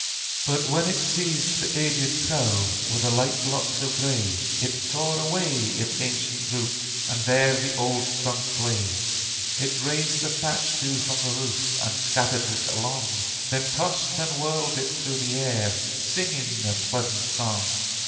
But when it seized the aged saugh, With the light locks of gray, It tore away its ancient root, And there the old trunk lay! It raised the thatch too from the roof, And scattered it along; Then tossed and whirled it through the air, Singing a pleasant song.